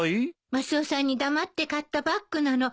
マスオさんに黙って買ったバッグなの。